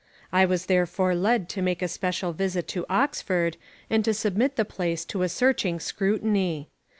I was therefore led to make a special visit to Oxford and to submit the place to a searching scrutiny.